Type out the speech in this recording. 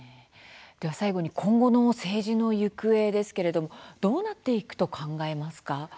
最後に今後の政治の行方ですけれどもどうなっていくと考えますか。